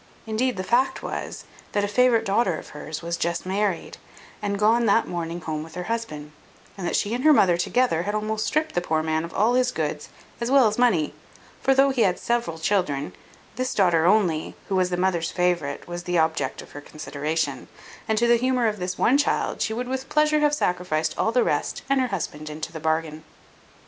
Indeed the fact was, that a favourite daughter of hers was just married, and gone that morning home with her husband; and that she and her mother together had almost stript the poor man of all his goods, as well as money; for though he had several children, this daughter only, who was the mother's favourite, was the object of her consideration; and to the humour of this one child she would with pleasure have sacrificed all the rest, and her husband into the bargain.